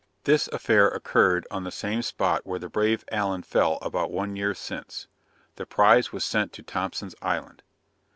_] "This affair occurred on the same spot where the brave Allen fell about one year since. The prize was sent to Thompson's Island."